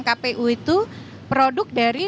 kpu itu produk dari